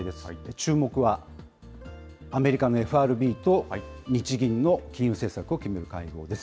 注目はアメリカのＦＲＢと日銀の金融政策を決める会合です。